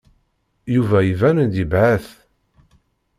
Yuba iban-d yebhet.